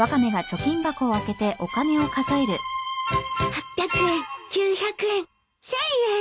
８００円９００円１，０００円。